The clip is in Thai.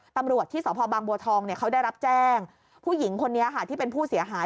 ตำรวจที่สพบางบัวทองเขาได้รับแจ้งผู้หญิงคนนี้ค่ะที่เป็นผู้เสียหาย